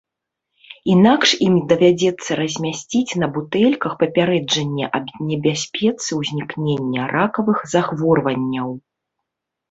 Інакш ім давядзецца размясціць на бутэльках папярэджання аб небяспецы ўзнікнення ракавых захворванняў.